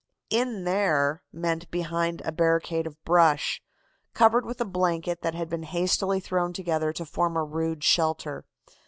"'In there' meant behind a barricade of brush, covered with a blanket that had been hastily thrown together to form a rude shelter.